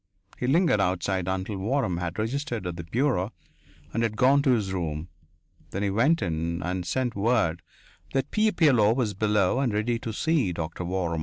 He lingered outside until Waram had registered at the bureau and had gone to his room. Then he went in and sent word that "Pierre Pilleux was below and ready to see Doctor Waram."